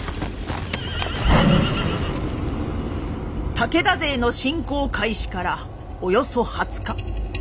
武田勢の侵攻開始からおよそ２０日。